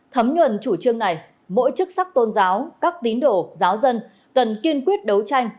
thấm nhuần chủ trương này mỗi chức sắc tôn giáo các tín đồ giáo dân cần kiên quyết đấu tranh